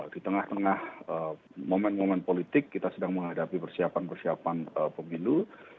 di tengah tengah momen momen politik kita sedang menghadapi persiapan persiapan pemilu